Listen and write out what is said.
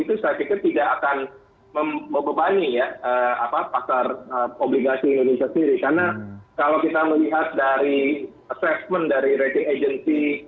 itu saya pikir tidak akan membebani ya pasar obligasi indonesia sendiri karena kalau kita melihat dari assessment dari rating agency